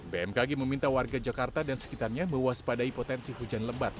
bmkg meminta warga jakarta dan sekitarnya mewaspadai potensi hujan lebat